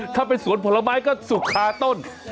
ถ้าเป็นสวนผลไม้ก็สุขคาต้น